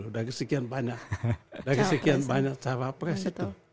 dari sekian banyak dari sekian banyak caba pres itu